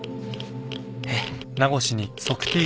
えっ？